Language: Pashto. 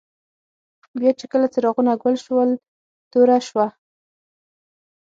بیا چي کله څراغونه ګل شول، توره شوه.